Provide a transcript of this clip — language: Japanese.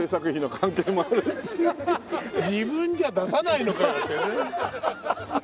自分じゃ出さないのかよっていうね。